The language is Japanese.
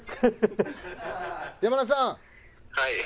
山田さん。